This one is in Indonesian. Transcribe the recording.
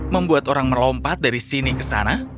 membuat orang melompat dari sini ke sana